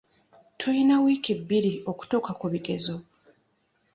Tuyina wiiki bbiri okutuuka ku bigezo.